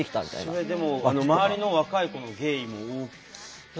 それでも周りの若い子のゲイも多い。